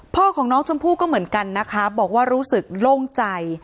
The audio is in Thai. พ่อของน้องชมพู่ก็เหมือนกันนะคะบอกว่ารู้สึกโล่งใจ